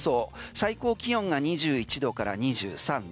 最高気温が２１度から２３度。